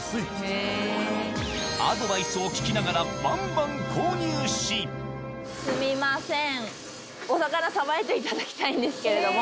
アドバイスを聞きながらバンバンすみません。